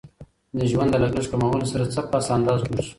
د ژوند د لګښت کمولو سره څه پس انداز جوړ سو.